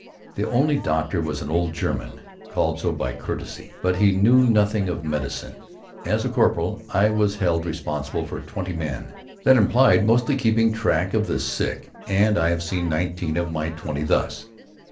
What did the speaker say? The only doctor was an old German, called so by courtesy; but he knew nothing of medicine. As a corporal, I was held responsible for twenty men. That implied mostly keeping track of the sick and I have seen nineteen of my twenty thus.